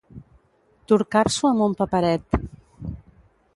Torcar-s'ho amb un paperet.